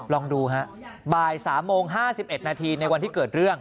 ลองดูฮะบ่าย๓โมง๕๑นาทีในวันที่เกิดเรื่อง